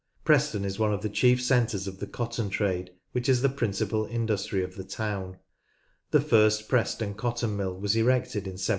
Preston is one of the chief centres of the cotton trade, which CHIEF TOWNS AND VILLAGES 175 i.s the principal industry of the town. The first Preston cotton mill was erected in 1777.